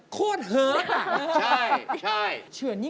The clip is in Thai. โคตรเฮอะ